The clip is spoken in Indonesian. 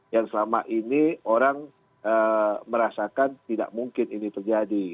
yang selama ini orang merasakan tidak mungkin ini terjadi